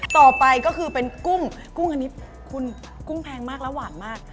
ต่อไปก็คือเป็นกุ้งกุ้งอันนี้คุณกุ้งแพงมากแล้วหวานมาก